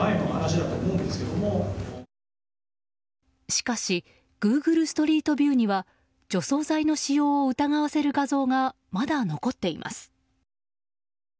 しかしグーグルストリートビューには除草剤の使用を疑わせる画像がまだ残っています。